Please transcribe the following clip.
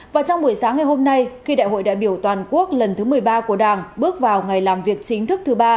và trong buổi sáng ngày hôm nay khi đại hội đại biểu toàn quốc lần thứ một mươi ba của đảng bước vào ngày làm việc chính thức thứ ba